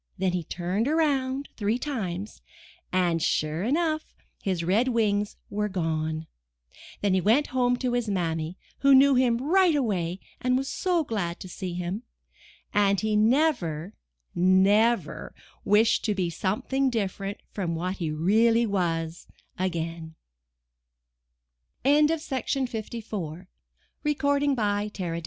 Then he turned around three times, and, sure enough, his red wings were gone. Then he went home to his Mammy, who knew him right away and was so glad to see him, and he never, never, wished to be ^_^(^ something different from what he f^ S ^^'t\ really was again.